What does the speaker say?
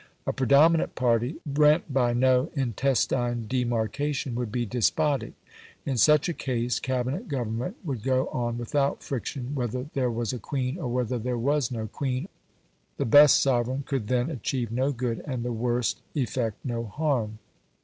A predominant party, rent by no intestine demarcation, would be despotic. In such a case Cabinet government would go on without friction whether there was a Queen or whether there was no Queen. The best sovereign could then achieve no good, and the worst effect no harm.